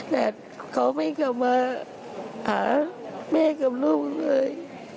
แต่เขาไม่กลับมาหาแม่กับลูกเลย